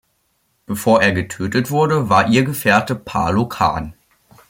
Bevor er getötet wurde, war ihr Gefährte Palo Kan.